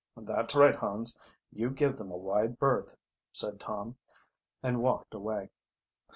"That's right, Hans, you give them a wide berth," said Tom, and walked away.